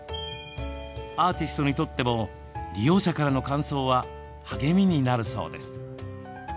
アーティストにとっても利用者からの感想は励みになるそうです。